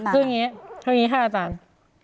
คืออย่างนี้ค่ะอาจารย์